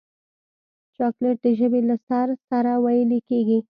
چاکلېټ د ژبې له سر سره ویلې کېږي.